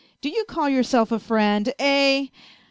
Do you call yourself a friend ? Eh